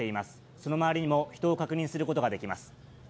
その周りにも人を確認することができます。